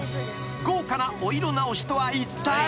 ［豪華なお色直しとはいったい］